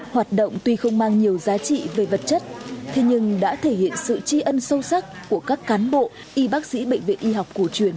hoạt động tuy không mang nhiều giá trị về vật chất thế nhưng đã thể hiện sự tri ân sâu sắc của các cán bộ y bác sĩ bệnh viện y học cổ truyền